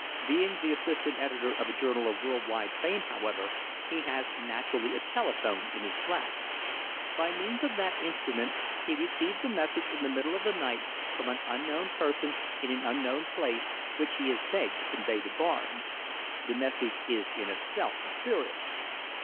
Being the assistant editor of a journal of world wide fame, however, he has naturally a telephone in his flat. By means of that instrument he receives a message in the middle of the night from an unknown person in an unknown place, which he is begged to convey to Barnes. The message is in itself mysterious.